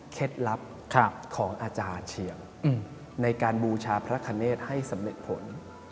ลับของอาจารย์เชียงในการบูชาพระคเนธให้สำเร็จผล